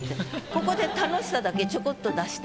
ここで楽しさだけちょこっと出して。